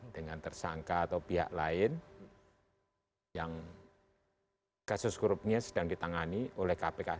dengan tersangka atau pihak lain yang kasus korupsinya sedang ditangani oleh kpk